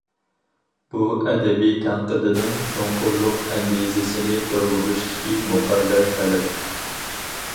بۇ ئەدەبىي تەنقىدنىڭ چوڭقۇرلۇق ئەندىزىسىنى تۇرغۇزۇشتىكى مۇقەررەر تەلەپ.